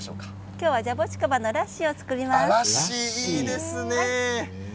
今日はジャボチカバのラッシーを作ります。